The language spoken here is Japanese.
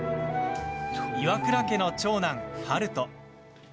岩倉家の長男、悠人。